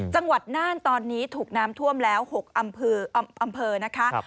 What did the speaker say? น่านตอนนี้ถูกน้ำท่วมแล้ว๖อำเภอนะคะ